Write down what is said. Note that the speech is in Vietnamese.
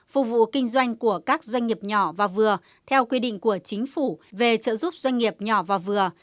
phục vụ kinh doanh của các doanh nghiệp nhỏ và vừa theo quy định của chính phủ về trợ giúp doanh nghiệp nhỏ và vừa